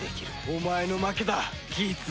お前の負けだギーツ！